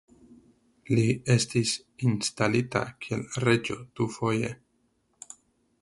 Li estis instalita kiel reĝo dufoje.